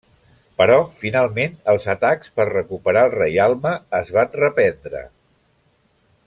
Però finalment els atacs per recuperar el reialme es van reprendre.